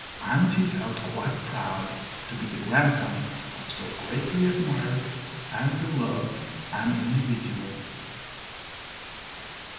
And he felt quite proud to be the grandson of so greatly admired and beloved an individual.